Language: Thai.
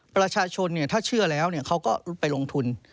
ประชาชนถ้าเชื่อแล้วเขาก็ไปลงทุน